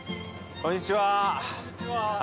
こんにちは。